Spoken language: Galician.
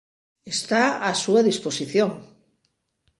¡Está á súa disposición!